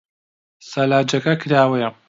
سەلاجەکە کراوەیە.